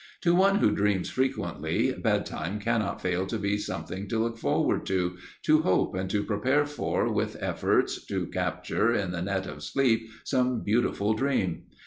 To one who dreams frequently, bedtime cannot fail to be something to look forward to, to hope and to prepare for with efforts to capture in the net of sleep some beautiful dream.